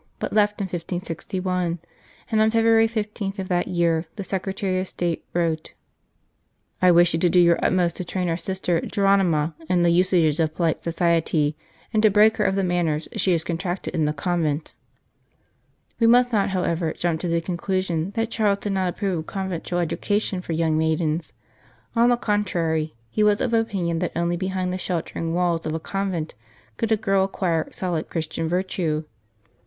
15 St. Charles Borromeo Another sister, Geronima, was at a convent school, but left in 1561, and on February 15 of that year the Secretary of State wrote :" I wish you to do your utmost to train our sister Geronima in the usages of polite society, and to break her of the manners she has con tracted in the convent." We must not, however, jump to the conclusion that Charles did not approve of conventual educa tion for young maidens ; on the contrary, he was of opinion that only behind the sheltering walls of a convent could a girl acquire solid Christian virtue.